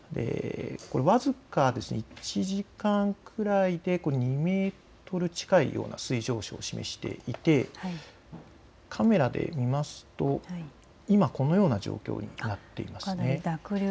僅か１時間ぐらいで２メートル近い水位上昇を示していてカメラで見ますとこのような状況になっています。